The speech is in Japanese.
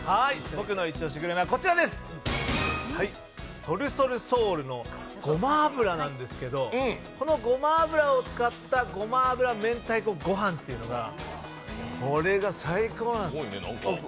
僕の一押しグルメはこちらです、ＳＯＬＳＯＬＳＥＯＵＬのごま油なんですけどこのごま油を使ったごま油明太子ご飯というのが最高なんです。